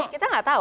kita nggak tahu